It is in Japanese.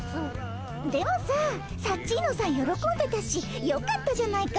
でもさサッチーノさん喜んでたしよかったじゃないか。